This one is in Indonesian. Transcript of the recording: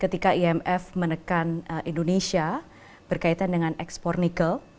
ketika imf menekan indonesia berkaitan dengan ekspornikel